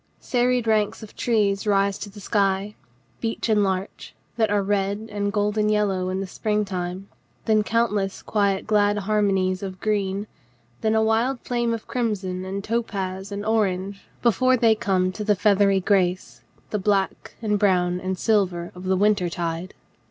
Serried ranks of trees rise to the sky, beech and larch, that are red and golden yellow in the spring time, then countless quiet glad harmonies of green, then a wide flame of crimson and topaz and orange before they come to the feathery grace, the black and brown and silver of the wintertide.